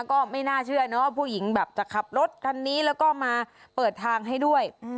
ก็ไม่น่าเชื่อนะว่าผู้หญิงแบบจะขับรถคันนี้แล้วก็มาเปิดทางให้ด้วย